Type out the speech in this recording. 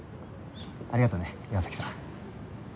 ありがとね岩崎さん。